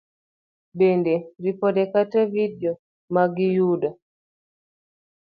Bende, ripode kata vidio ma giyud